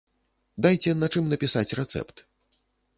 Дайце на чым напісаць рэцэпт.